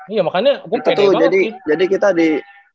iya makanya gue pede banget sih